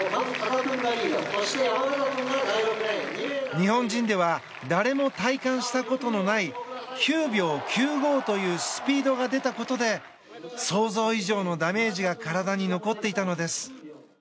日本人では誰も体感したことのない９秒９５というスピードが出たことで想像以上のダメージが体に残っていたのです。